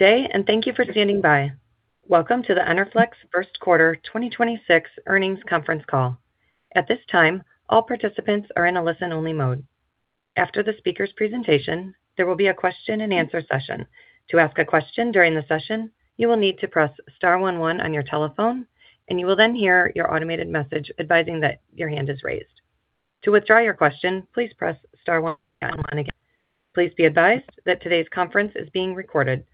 Welcome to the Enerflex first quarter 2026 earnings conference call. At this time all participant is only listen-mode. Please be advised that today's conference is being recorded.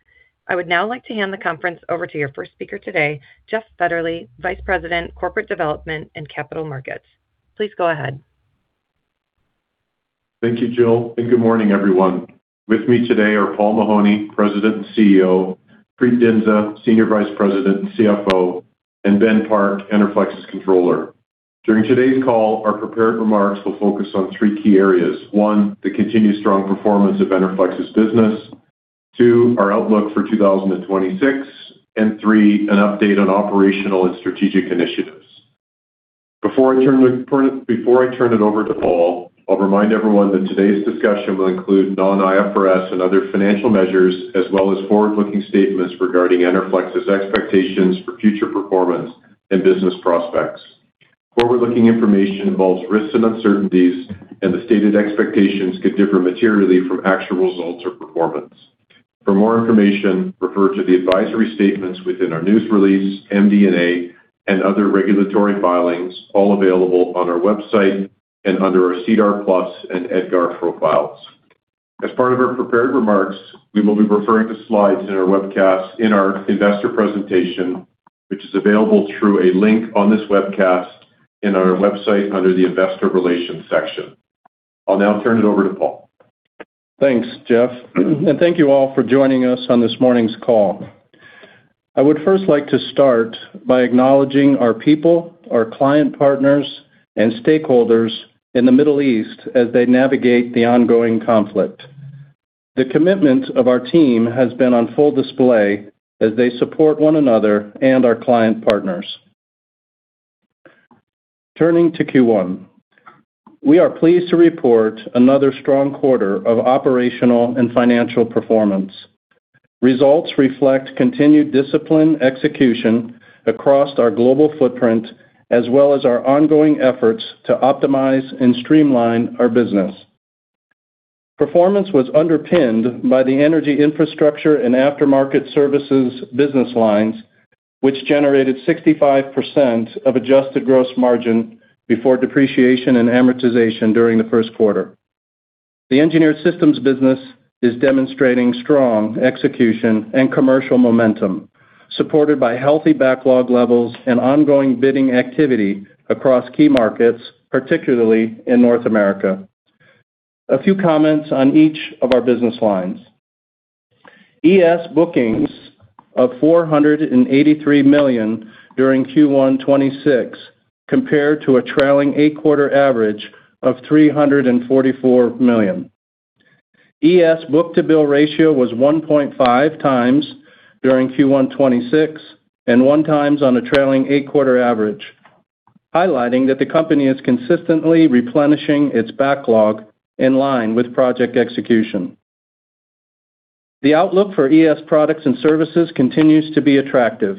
I would now like to hand the conference over to your first speaker today, Jeff Fetterly, Vice President, Corporate Development and Capital Markets. Please go ahead. Thank you, Jill, and good morning, everyone. With me today are Paul Mahoney, President and CEO, Preet Dhindsa, Senior Vice President and CFO, and Ben Park, Enerflex's Controller. During today's call, our prepared remarks will focus on three key areas. One, the continued strong performance of Enerflex's business, two, our outlook for 2026, and three, an update on operational and strategic initiatives. Before I turn it over to Paul, I'll remind everyone that today's discussion will include non-IFRS and other financial measures as well as forward-looking statements regarding Enerflex's expectations for future performance and business prospects. Forward-looking information involves risks and uncertainties, and the stated expectations could differ materially from actual results or performance. For more information, refer to the advisory statements within our news release, MD&A, and other regulatory filings, all available on our website and under our SEDAR+ and EDGAR profiles. As part of our prepared remarks, we will be referring to slides in our webcast in our investor presentation, which is available through a link on this webcast in our website under the investor relations section. I'll now turn it over to Paul. Thanks, Jeff, and thank you all for joining us on this morning's call. I would first like to start by acknowledging our people, our client partners, and stakeholders in the Middle East as they navigate the ongoing conflict. The commitment of our team has been on full display as they support one another and our client partners. Turning to Q1. We are pleased to report another strong quarter of operational and financial performance. Results reflect continued discipline execution across our global footprint as well as our ongoing efforts to optimize and streamline our business. Performance was underpinned by the Energy Infrastructure and After-Market Services business lines, which generated 65% of adjusted gross margin before depreciation and amortization during the first quarter. The Engineered Systems business is demonstrating strong execution and commercial momentum, supported by healthy backlog levels and ongoing bidding activity across key markets, particularly in North America. A few comments on each of our business lines. ES bookings of 483 million during Q1 2026 compared to a trailing eight-quarter average of 344 million. ES book-to-bill ratio was 1.5x during Q1 2026 and one time on a trailing eight-quarter average, highlighting that the company is consistently replenishing its backlog in line with project execution. The outlook for ES products and services continues to be attractive,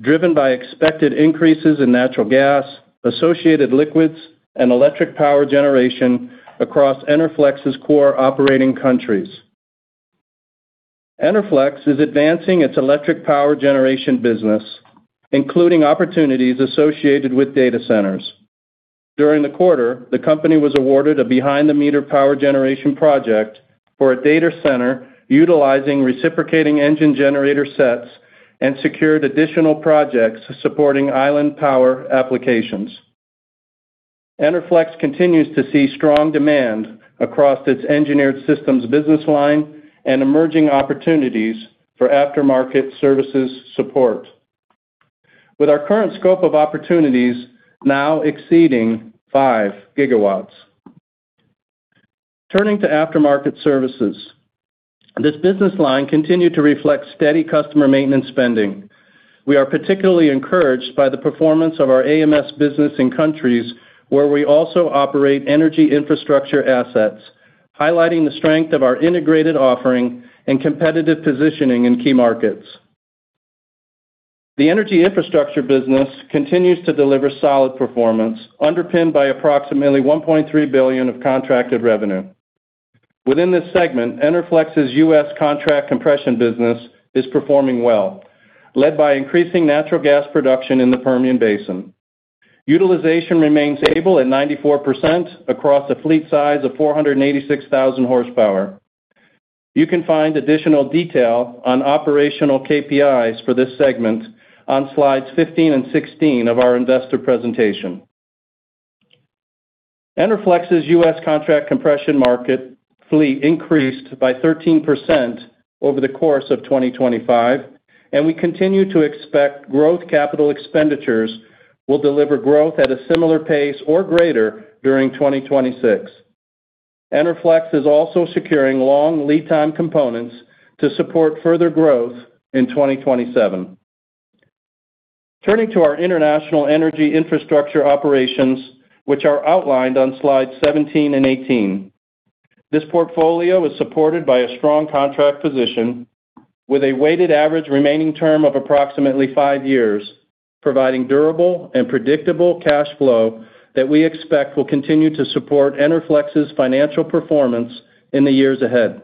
driven by expected increases in natural gas, associated liquids, and electric power generation across Enerflex's core operating countries. Enerflex is advancing its electric power generation business, including opportunities associated with data centers. During the quarter, the company was awarded a behind-the-meter power generation project for a data center utilizing reciprocating engine generator sets and secured additional projects supporting island power applications. Enerflex continues to see strong demand across its Engineered Systems business line and emerging opportunities for After-Market Services support with our current scope of opportunities now exceeding 5 GW. Turning to After-Market Services. This business line continued to reflect steady customer maintenance spending. We are particularly encouraged by the performance of our AMS business in countries where we also operate Energy Infrastructure assets, highlighting the strength of our integrated offering and competitive positioning in key markets. The Energy Infrastructure business continues to deliver solid performance underpinned by approximately 1.3 billion of contracted revenue. Within this segment, Enerflex's U.S. Contract Compression business is performing well, led by increasing natural gas production in the Permian Basin. Utilization remains stable at 94% across a fleet size of 486,000 horsepower. You can find additional detail on operational KPIs for this segment on slides 15 and 16 of our investor presentation. Enerflex's U.S. Contract Compression market fleet increased by 13% over the course of 2025, and we continue to expect growth capital expenditures will deliver growth at a similar pace or greater during 2026. Enerflex is also securing long lead time components to support further growth in 2027. Turning to our international Energy Infrastructure operations, which are outlined on slide 17 and 18. This portfolio is supported by a strong contract position with a weighted average remaining term of approximately five years, providing durable and predictable cash flow that we expect will continue to support Enerflex's financial performance in the years ahead.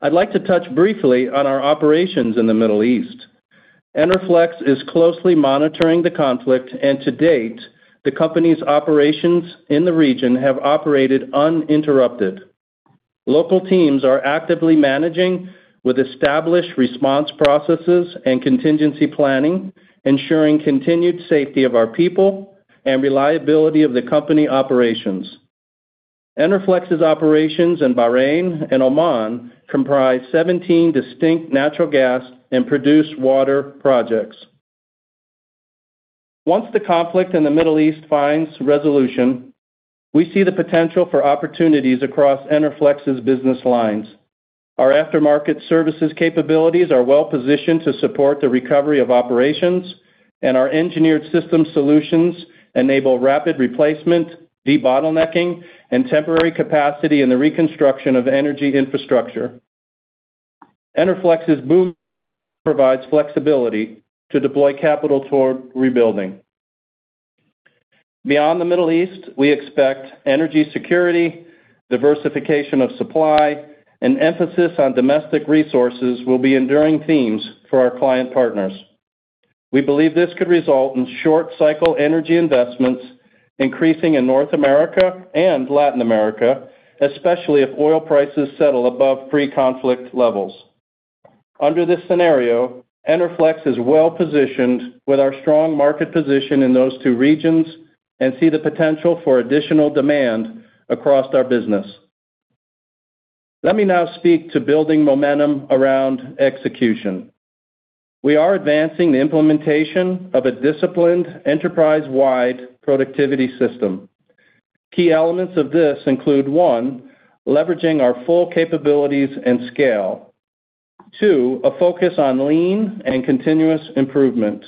I'd like to touch briefly on our operations in the Middle East. Enerflex is closely monitoring the conflict. To date, the company's operations in the region have operated uninterrupted. Local teams are actively managing with established response processes and contingency planning, ensuring continued safety of our people and reliability of the company operations. Enerflex's operations in Bahrain and Oman comprise 17 distinct natural gas and produced water projects. Once the conflict in the Middle East finds resolution, we see the potential for opportunities across Enerflex's business lines. Our aftermarket services capabilities are well-positioned to support the recovery of operations. Our engineered system solutions enable rapid replacement, debottlenecking, and temporary capacity in the reconstruction of Energy Infrastructure. Enerflex's book provides flexibility to deploy capital toward rebuilding. Beyond the Middle East, we expect energy security, diversification of supply, and emphasis on domestic resources will be enduring themes for our client partners. We believe this could result in short-cycle energy investments increasing in North America and Latin America, especially if oil prices settle above pre-conflict levels. Under this scenario, Enerflex is well-positioned with our strong market position in those two regions and see the potential for additional demand across our business. Let me now speak to building momentum around execution. We are advancing the implementation of a disciplined enterprise-wide productivity system. Key elements of this include, one, leveraging our full capabilities and scale. Two, a focus on lean and continuous improvement.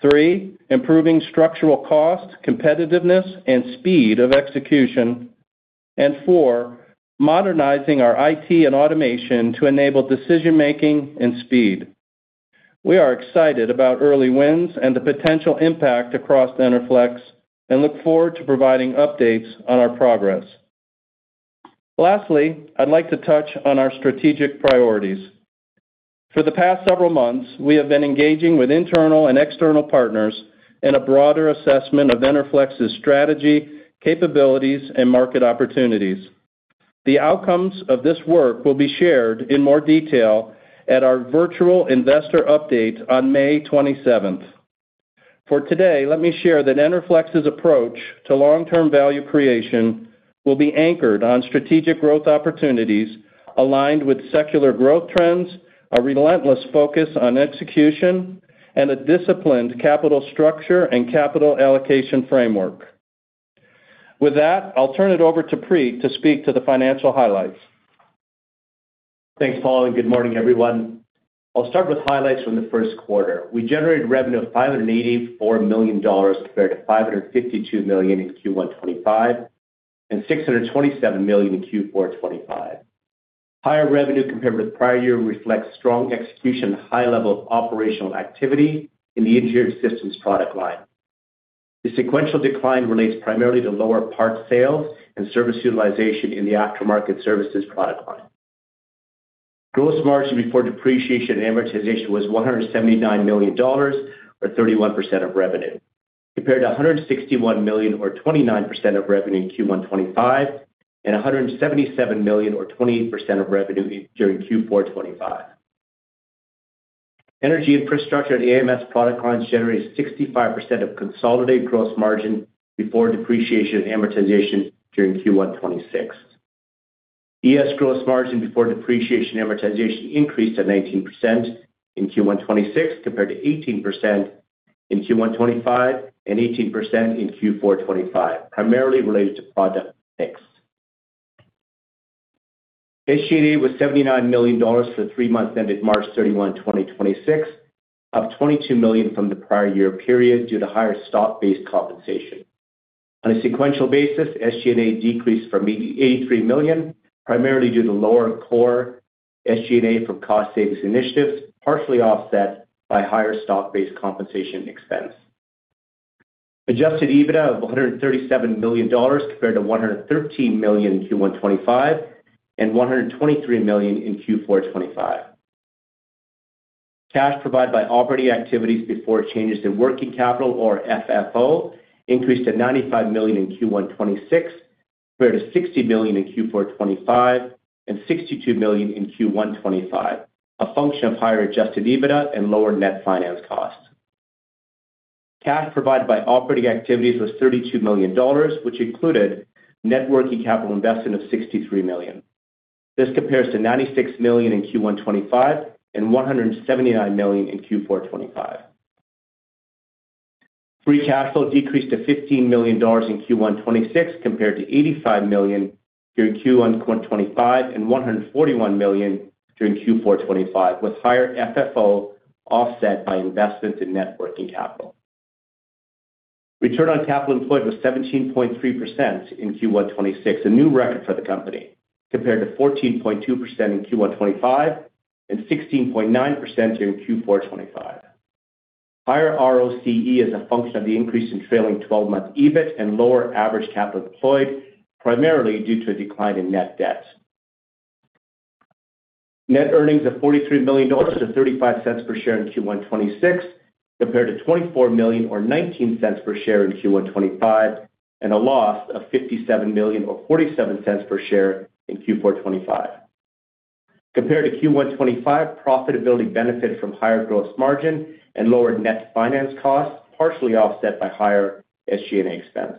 Three, improving structural cost, competitiveness, and speed of execution. Four, modernizing our IT and automation to enable decision-making and speed. We are excited about early wins and the potential impact across Enerflex and look forward to providing updates on our progress. Lastly, I'd like to touch on our strategic priorities. For the past several months, we have been engaging with internal and external partners in a broader assessment of Enerflex's strategy, capabilities, and market opportunities. The outcomes of this work will be shared in more detail at our virtual investor update on May 27th. For today, let me share that Enerflex's approach to long-term value creation will be anchored on strategic growth opportunities aligned with secular growth trends, a relentless focus on execution, and a disciplined capital structure and capital allocation framework. With that, I'll turn it over to Preet to speak to the financial highlights. Thanks, Paul, and good morning, everyone. I'll start with highlights from the first quarter. We generated revenue of 584 million dollars compared to 552 million in Q1 2025 and 627 million in Q4 2025. Higher revenue compared with prior year reflects strong execution and high level of operational activity in the Engineered Systems product line. The sequential decline relates primarily to lower parts sales and service utilization in the After-Market Services product line. Gross margin before depreciation and amortization was 179 million dollars, or 31% of revenue, compared to 161 million, or 29% of revenue in Q1 2025, and 177 million, or 28% of revenue during Q4 2025. Energy Infrastructure and AMS product lines generated 65% of consolidated gross margin before depreciation and amortization during Q1 2026. ES gross margin before depreciation and amortization increased to 19% in Q1 2026 compared to 18% in Q1 2025 and 18% in Q4 2025, primarily related to product mix. SG&A was 79 million dollars for the three months ended March 31, 2026, up 22 million from the prior year period due to higher stock-based compensation. On a sequential basis, SG&A decreased from 83 million, primarily due to lower core SG&A from cost savings initiatives, partially offset by higher stock-based compensation expense. adjusted EBITDA of 137 million dollars compared to 113 million in Q1 2025 and 123 million in Q4 2025. Cash provided by operating activities before changes to working capital or FFO increased to 95 million in Q1 2026 compared to 60 million in Q4 2025 and 62 million in Q1 2025, a function of higher adjusted EBITDA and lower net finance costs. Cash provided by operating activities was 32 million dollars, which included net working capital investment of 63 million. This compares to 96 million in Q1 2025 and 179 million in Q4 2025. Free cash flow decreased to 15 million dollars in Q1 2026 compared to 85 million during Q1 2025 and 141 million during Q4 2025, with higher FFO offset by investment in net working capital. Return on capital employed was 17.3% in Q1 2026, a new record for the company, compared to 14.2% in Q1 2025 and 16.9% during Q4 2025. Higher ROCE is a function of the increase in trailing 12-month EBIT and lower average capital deployed, primarily due to a decline in net debt. Net earnings of 43 million dollars, or 0.35 per share in Q1 2026, compared to 24 million or 0.19 per share in Q1 2025, and a loss of 57 million or 0.47 per share in Q4 2025. Compared to Q1 2025, profitability benefited from higher gross margin and lower net finance costs, partially offset by higher SG&A expense.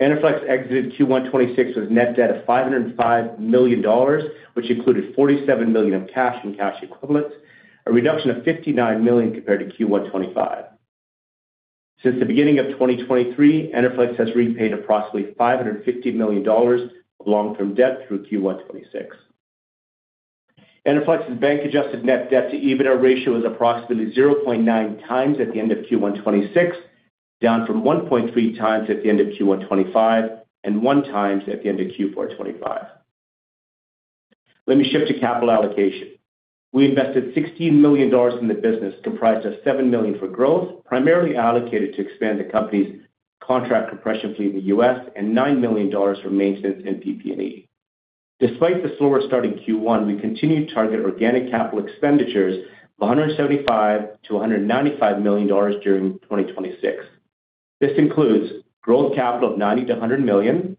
Enerflex exited Q1 2026 with net debt of 505 million dollars, which included 47 million of cash and cash equivalents, a reduction of 59 million compared to Q1 2025. Since the beginning of 2023, Enerflex has repaid approximately 550 million dollars of long-term debt through Q1 2026. Enerflex's bank adjusted net debt to EBITDA ratio is approximately 0.9x at the end of Q1 2026, down from 1.3x at the end of Q1 2025 and 1x at the end of Q4 2025. Let me shift to capital allocation. We invested 16 million dollars in the business, comprised of 7 million for growth, primarily allocated to expand the company's contract compression fleet in the U.S., and 9 million dollars for maintenance and PP&E. Despite the slower start in Q1, we continue to target organic capital expenditures of 175 million-195 million dollars during 2026. This includes growth capital of 90 million-100 million,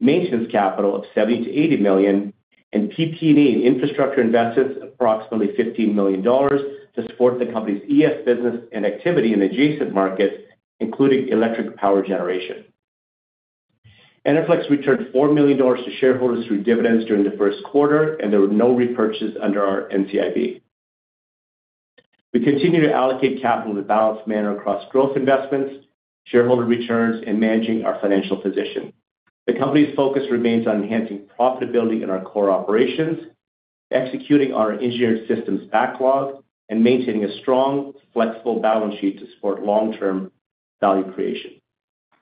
maintenance capital of 70 million-80 million, and PP&E and infrastructure investments approximately 15 million dollars to support the company's ES business and activity in adjacent markets, including electric power generation. Enerflex returned 4 million dollars to shareholders through dividends during the first quarter. There were no repurchases under our NCIB. We continue to allocate capital in a balanced manner across growth investments, shareholder returns, and managing our financial position. The company's focus remains on enhancing profitability in our core operations, executing our Engineered Systems backlog, and maintaining a strong, flexible balance sheet to support long-term value creation.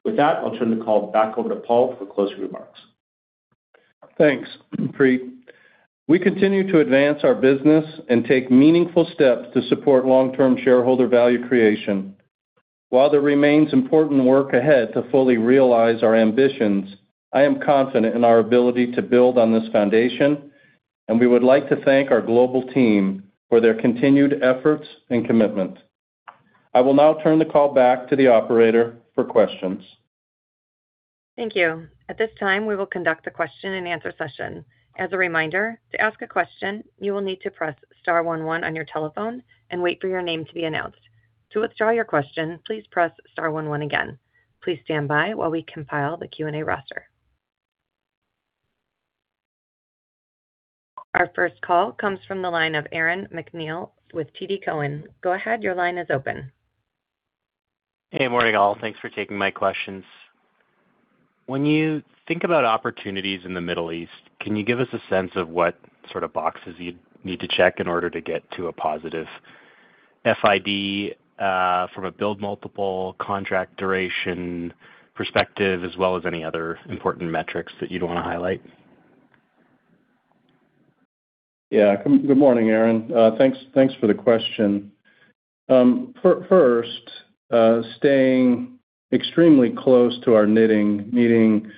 With that, I'll turn the call back over to Paul for closing remarks. Thanks, Preet. We continue to advance our business and take meaningful steps to support long-term shareholder value creation. While there remains important work ahead to fully realize our ambitions, I am confident in our ability to build on this foundation, and we would like to thank our global team for their continued efforts and commitment. I will now turn the call back to the operator for questions. Thank you. At this time, we will conduct a question and answer session. As a reminder, to ask a question, you will need to press star one one on your telephone and wait for your name to be announced. To withdraw your question, please press star one one again. Please stand by while we compile the Q&A roster. Our first call comes from the line of Aaron MacNeil with TD Cowen. Go ahead, your line is open. Hey, morning all. Thanks for taking my questions. When you think about opportunities in the Middle East, can you give us a sense of what sort of boxes you'd need to check in order to get to a positive FID, from a build multiple contract duration perspective, as well as any other important metrics that you'd want to highlight? Good morning, Aaron. Thanks for the question. First, staying extremely close to our knitting, meaning,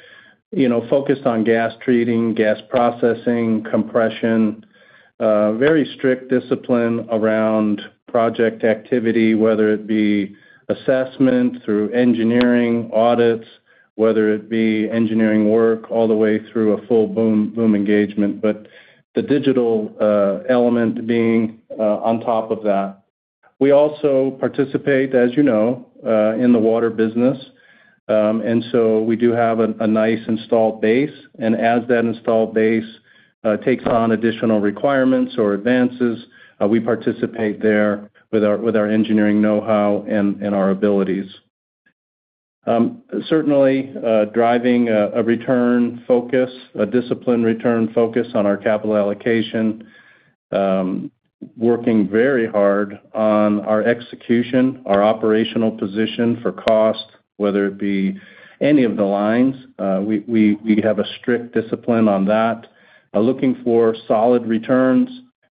you know, focused on gas treating, gas processing, compression, very strict discipline around project activity, whether it be assessment through engineering, audits, whether it be engineering work all the way through a full BOOM engagement, the digital element being on top of that. We also participate, as you know, in the water business. We do have a nice installed base. As that installed base takes on additional requirements or advances, we participate there with our engineering know-how and our abilities. Certainly, driving a return focus, a disciplined return focus on our capital allocation. Working very hard on our execution, our operational position for cost, whether it be any of the lines. We have a strict discipline on that. Looking for solid returns,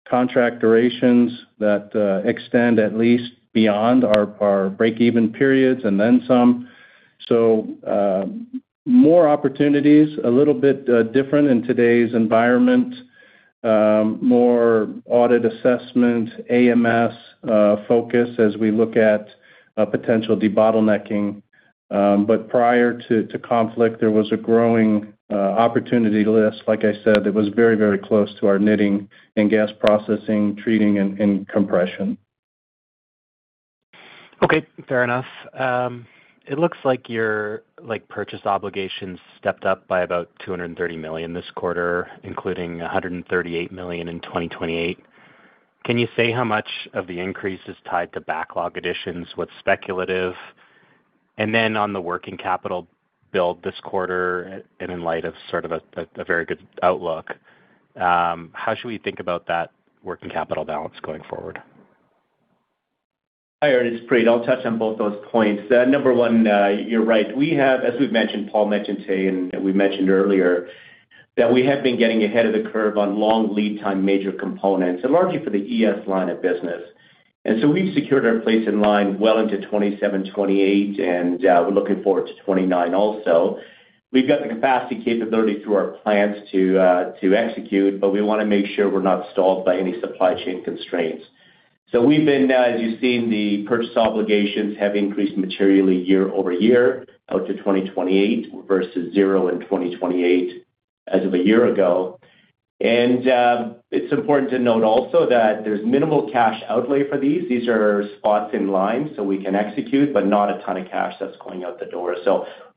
contract durations that extend at least beyond our break-even periods and then some. More opportunities, a little bit different in today's environment. More audit assessment, AMS focus as we look at potential debottlenecking. Prior to contract, there was a growing opportunity list. Like I said, it was very, very close to our knitting and gas processing, treating, and compression. Okay, fair enough. It looks like your purchase obligations stepped up by about 230 million this quarter, including 138 million in 2028. Can you say how much of the increase is tied to backlog additions? What's speculative? On the working capital build this quarter and in light of a very good outlook, how should we think about that working capital balance going forward? Hi, Aaron, it's Preet. I'll touch on both those points. Number one, you're right. We have, as we've mentioned, Paul mentioned today, and we mentioned earlier, that we have been getting ahead of the curve on long lead time major components and largely for the ES line of business. We've secured our place in line well into 2027, 2028, and we're looking forward to 2029 also. We've got the capacity capability through our plants to execute, but we wanna make sure we're not stalled by any supply chain constraints. We've been, as you've seen, the purchase obligations have increased materially year-over-year out to 2028 versus 0 in 2028 as of a year ago. It's important to note also that there's minimal cash outlay for these. These are spots in line, so we can execute, but not a ton of cash that's going out the door.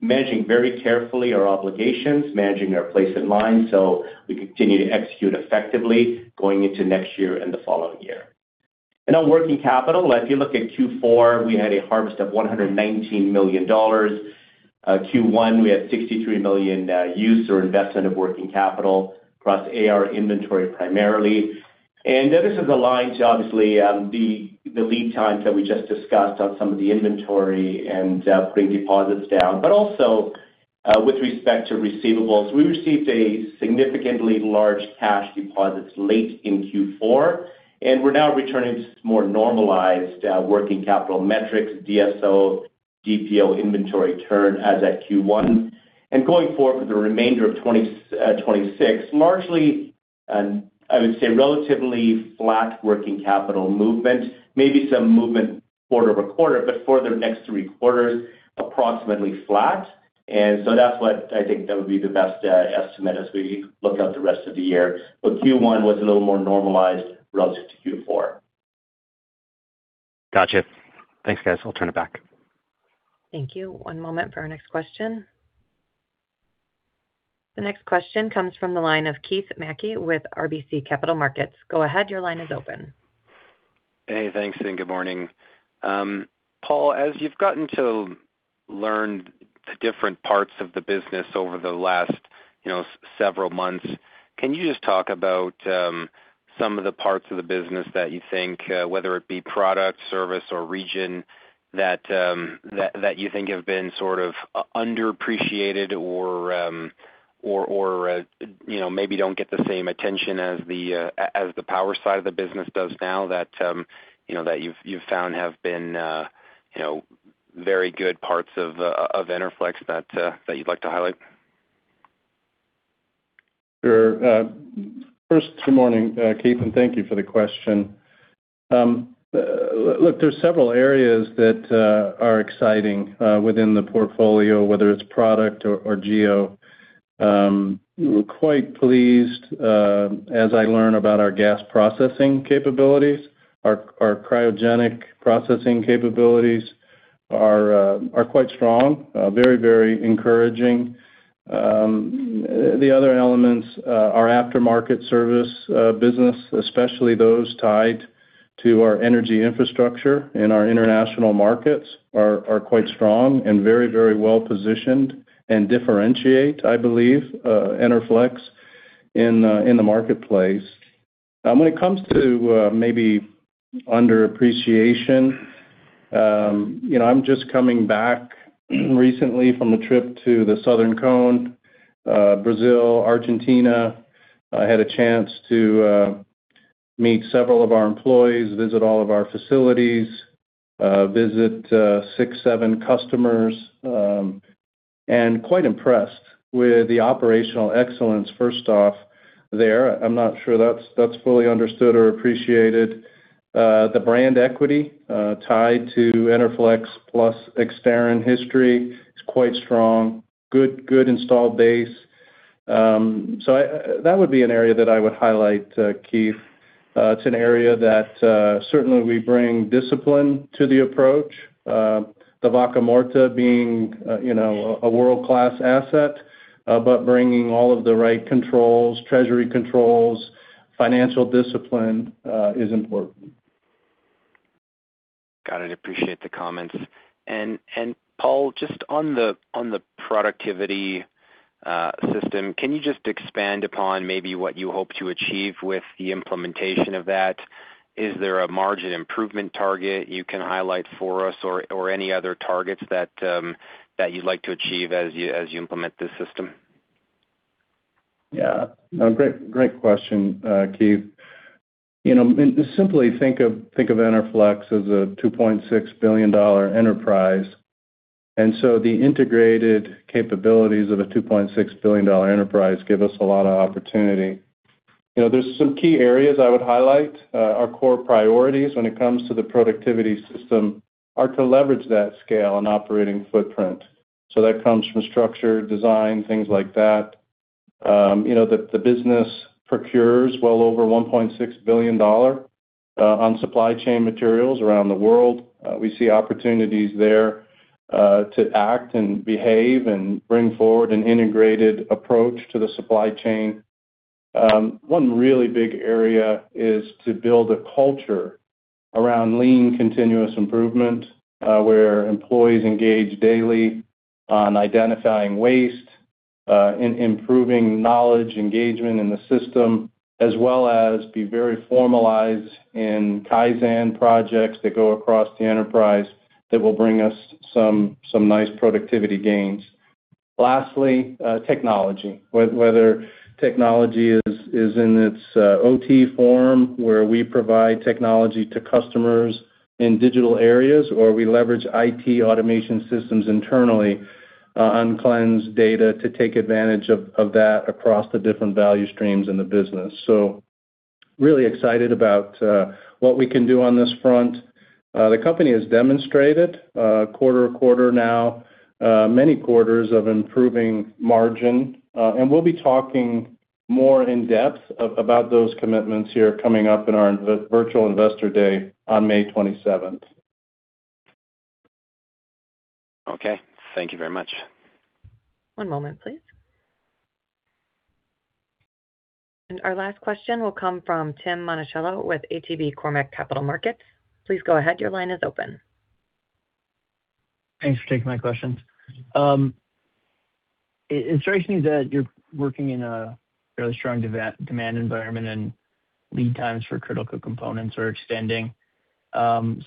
Managing very carefully our obligations, managing our place in line, so we continue to execute effectively going into next year and the following year. On working capital, if you look at Q4, we had a harvest of 119 million dollars. Q1, we had 63 million use or investment of working capital across AR inventory primarily. This is aligned to obviously the lead times that we just discussed on some of the inventory and pre-deposits down. Also, with respect to receivables, we received a significantly large cash deposits late in Q4, and we're now returning to more normalized working capital metrics, DSO, DPO inventory turn as at Q1. Going forward for the remainder of 2026, largely, I would say relatively flat working capital movement, maybe some movement quarter-over-quarter, but for the next three quarters, approximately flat. That's what I think that would be the best estimate as we look out the rest of the year. Q1 was a little more normalized relative to Q4. Gotcha. Thanks, guys. I'll turn it back. Thank you. One moment for our next question. The next question comes from the line of Keith Mackey with RBC Capital Markets. Go ahead, your line is open. Hey, thanks, and good morning. Paul, as you've gotten to learn the different parts of the business over the last, you know, several months, can you just talk about some of the parts of the business that you think, whether it be product, service or region that you think have been sort of underappreciated or, you know, maybe don't get the same attention as the power side of the business does now that, you know, you've found have been, you know, very good parts of Enerflex that you'd like to highlight? Sure. First, good morning, Keith Mackey, and thank you for the question. Look, there's several areas that are exciting within the portfolio, whether it's product or geo. We're quite pleased as I learn about our gas processing capabilities. Our cryogenic processing capabilities are quite strong, very encouraging. The other elements, our After-Market Services business, especially those tied to our Energy Infrastructure and our international markets are quite strong and very well-positioned and differentiate, I believe, Enerflex in the marketplace. When it comes to maybe under appreciation, you know, I'm just coming back recently from a trip to the Southern Cone, Brazil, Argentina. I had a chance to meet several of our employees, visit all of our facilities, visit six, seven customers. Quite impressed with the operational excellence first off there. I'm not sure that's fully understood or appreciated. The brand equity tied to Enerflex plus Exterran history is quite strong. Good installed base. That would be an area that I would highlight, Keith. It's an area that certainly we bring discipline to the approach, the Vaca Muerta being, you know, a world-class asset, bringing all of the right controls, treasury controls, financial discipline is important. Got it. Appreciate the comments. Paul, just on the, on the productivity system, can you just expand upon maybe what you hope to achieve with the implementation of that? Is there a margin improvement target you can highlight for us or any other targets that you'd like to achieve as you, as you implement this system? Yeah. No, great question, Keith. You know, simply think of Enerflex as a 2.6 billion dollar enterprise. The integrated capabilities of a 2.6 billion dollar enterprise give us a lot of opportunity. You know, there's some key areas I would highlight. Our core priorities when it comes to the productivity system are to leverage that scale and operating footprint. That comes from structure, design, things like that. You know, the business procures well over 1.6 billion dollar on supply chain materials around the world. We see opportunities there to act and behave and bring forward an integrated approach to the supply chain. One really big area is to build a culture around lean continuous improvement, where employees engage daily on identifying waste, improving knowledge engagement in the system, as well as be very formalized in Kaizen projects that go across the enterprise that will bring us some nice productivity gains. Lastly, technology. Whether technology is in its OT form, where we provide technology to customers in digital areas, or we leverage IT automation systems internally on cleansed data to take advantage of that across the different value streams in the business. Really excited about what we can do on this front. The company has demonstrated quarter to quarter now, many quarters of improving margin. We'll be talking more in depth about those commitments here coming up in our virtual investor day on May 27th. Okay. Thank you very much. One moment, please. Our last question will come from Tim Monachello with ATB Capital Markets. Please go ahead, your line is open. Thanks for taking my questions. It strikes me that you're working in a fairly strong demand environment and lead times for critical components are extending.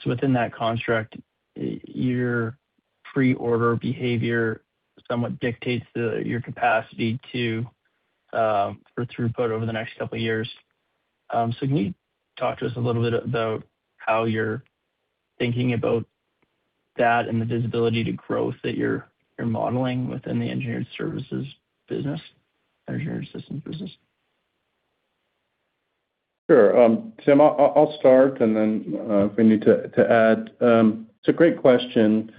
Within that construct, your pre-order behavior somewhat dictates your capacity to, for throughput over the next couple years. Can you talk to us a little bit about how you're thinking about that and the visibility to growth that you're modeling within the Engineered Systems business? Sure. Tim, I'll start, and then, if we need to add. It's a great question.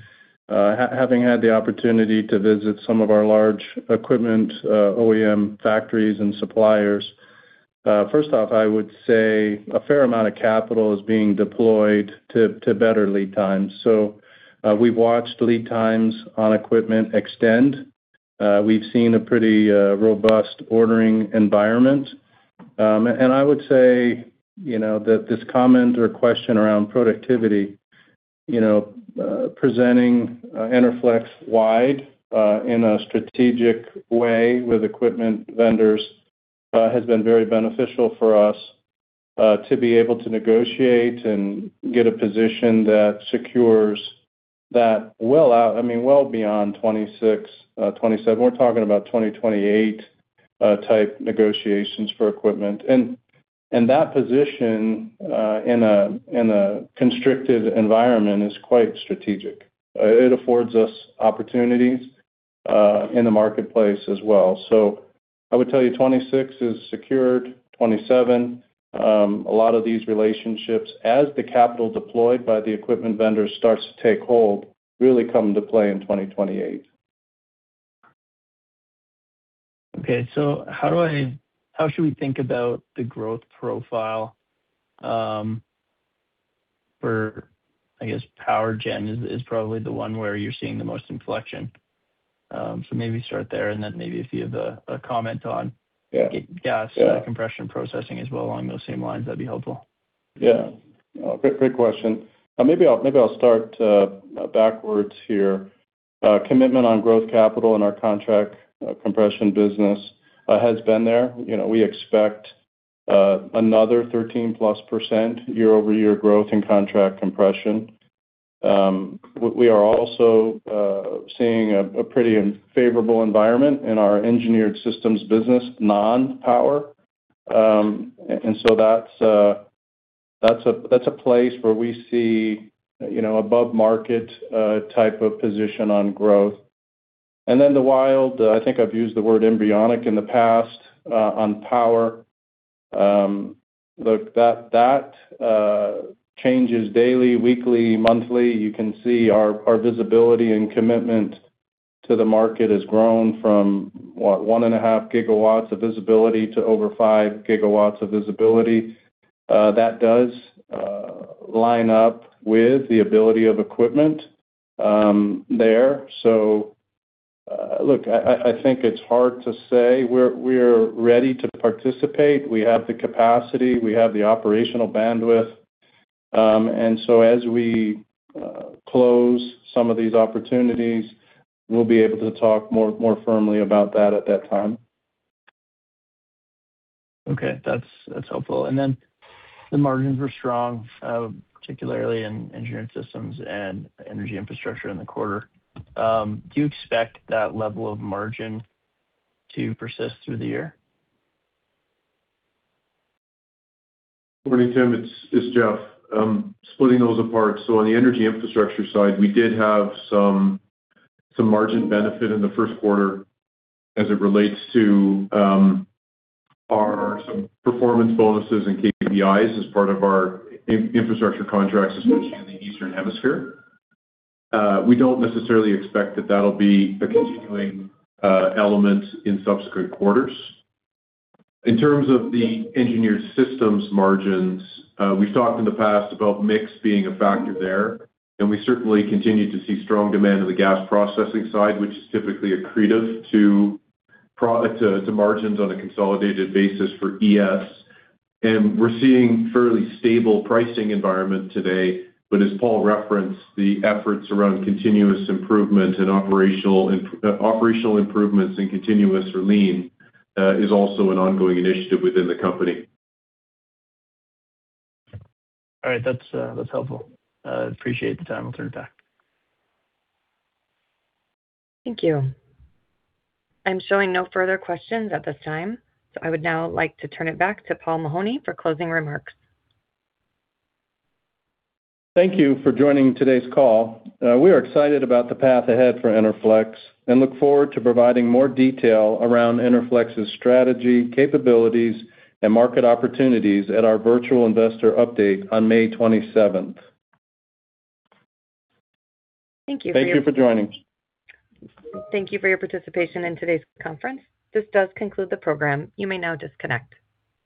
Having had the opportunity to visit some of our large equipment OEM factories and suppliers, first off, I would say a fair amount of capital is being deployed to better lead times. We've watched lead times on equipment extend. We've seen a pretty robust ordering environment. I would say, you know, that this comment or question around productivity, you know, presenting Enerflex wide in a strategic way with equipment vendors has been very beneficial for us to be able to negotiate and get a position that secures that, I mean, well beyond 2026, 2027. We're talking about 2028 type negotiations for equipment. That position, in a constricted environment is quite strategic. It affords us opportunities, in the marketplace as well. I would tell you 2026 is secured, 2027. A lot of these relationships as the capital deployed by the equipment vendor starts to take hold really come into play in 2028. Okay. How should we think about the growth profile for, I guess, power gen is probably the one where you're seeing the most inflection. Maybe start there, and then maybe if you have a comment on. Yeah. Gas. Yeah. And compression processing as well along those same lines, that'd be helpful. Yeah. Great, great question. Maybe I'll start backwards here. Commitment on growth capital in our contract compression business has been there. You know, we expect another 13%+ year-over-year growth in contract compression. We are also seeing a pretty favorable environment in our Engineered Systems business, non-power. So that's a place where we see, you know, above market type of position on growth. Then the wild, I think I've used the word embryonic in the past, on power. Look, that changes daily, weekly, monthly. You can see our visibility and commitment to the market has grown from, what, 1.5 GW of visibility to over 5 GW of visibility. That does line up with the ability of equipment there. Look, I think it's hard to say. We're ready to participate. We have the capacity. We have the operational bandwidth. as we close some of these opportunities, we'll be able to talk more firmly about that at that time. Okay. That's helpful. The margins were strong, particularly in Engineered Systems and Energy Infrastructure in the quarter. Do you expect that level of margin to persist through the year? Good morning, Tim Monachello. It's Jeff Fetterly. Splitting those apart. On the Energy Infrastructure side, we did have some margin benefit in the first quarter as it relates to some performance bonuses and KPIs as part of our Energy Infrastructure contracts, especially in the eastern hemisphere. We don't necessarily expect that that'll be a continuing element in subsequent quarters. In terms of the Engineered Systems margins, we've talked in the past about mix being a factor there, and we certainly continue to see strong demand in the gas processing side, which is typically accretive to margins on a consolidated basis for ES. We're seeing fairly stable pricing environment today. As Paul Mahoney referenced, the efforts around continuous improvement and operational improvements and continuous or lean is also an ongoing initiative within the company. All right. That's helpful. Appreciate the time. I'll turn it back. Thank you. I'm showing no further questions at this time. I would now like to turn it back to Paul Mahoney for closing remarks. Thank you for joining today's call. We are excited about the path ahead for Enerflex and look forward to providing more detail around Enerflex's strategy, capabilities, and market opportunities at our virtual investor update on May 27th. Thank you for. Thank you for joining. Thank you for your participation in today's conference. This does conclude the program. You may now disconnect.